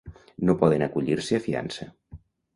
No poden acollir-se a fiança.